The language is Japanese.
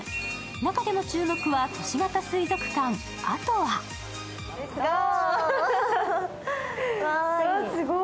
中でも注目は都市型水族館ａｔｏａ。